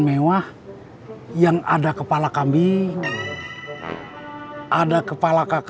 jalan dulu ya pak